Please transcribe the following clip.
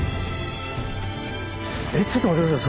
えっちょっと待って下さい。